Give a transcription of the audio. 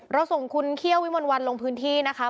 เราส่งคุณเคี่ยววิมลวันลงพื้นที่นะคะ